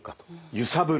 ゆさぶる？